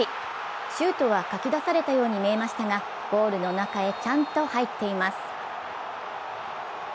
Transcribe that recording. シュートはかき出されたように見えましたが、ゴールの中へちゃんと入っています。